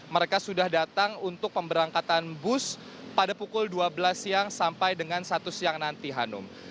mereka sudah datang untuk pemberangkatan bus pada pukul dua belas siang sampai dengan satu siang nanti hanum